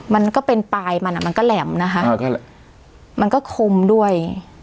มันก็เป็นปลายมันอ่ะมันก็แหลมนะคะมันก็คมด้วย